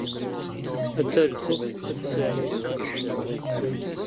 Ad talsed ad d-tesɛeddid aneccaf.